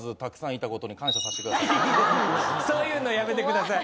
そういうのやめてください。